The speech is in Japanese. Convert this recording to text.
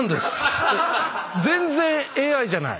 全然ＡＩじゃない。